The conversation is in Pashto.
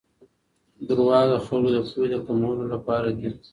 دروغ د خلګو د پوهي د کمولو لپاره دي.